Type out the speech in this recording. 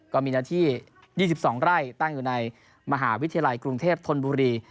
ก็มีเนื้อที่๒๒ไร่ตั้งอยู่ในมหาวิทยาลัยกรุงเทพธนบุรี